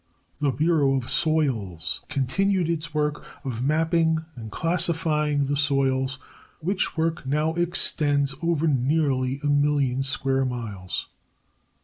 The Bureau of Soils continued its work of mapping and classifying the soils, which work now extends over nearly a million square miles.